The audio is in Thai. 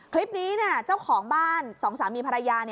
คลิปนี้เจ้าของบ้านสองสามีภรรยา